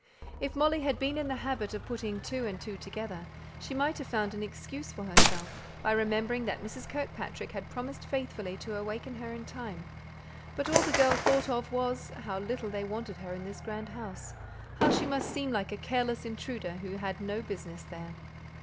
If Molly had been in the habit of putting two and two together, she might have found an excuse for herself, by remembering that Mrs. Kirkpatrick had promised faithfully to awaken her in time; but all the girl thought of was, how little they wanted her in this grand house; how she must seem like a careless intruder who had no business there.